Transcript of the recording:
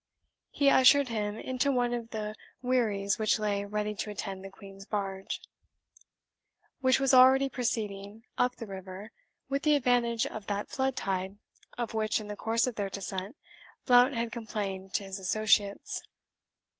He ushered him into one of the wherries which lay ready to attend the Queen's barge, which was already proceeding; up the river, with the advantage of that flood tide of which, in the course of their descent, Blount had complained to his associates.